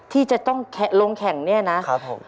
ที่จะต้องลงแข่งเนี่ยนะครับผม